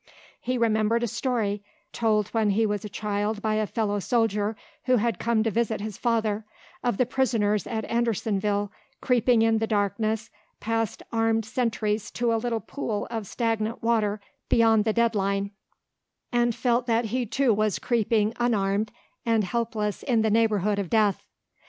He remembered a story, told when he was a child by a fellow soldier who had come to visit his father, of the prisoners at Andersonville creeping in the darkness past armed sentries to a little pool of stagnant water beyond the dead line, and felt that he too was creeping unarmed and helpless in the neighbourhood of death.